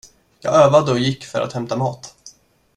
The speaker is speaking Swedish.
Jag övade och gick för att hämta mat.